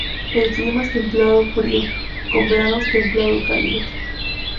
El clima es templado-frío, con veranos templado-cálidos.